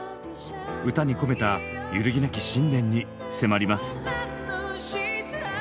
歌に込めた揺るぎなき信念に迫ります。